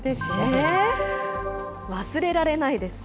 忘れられないです。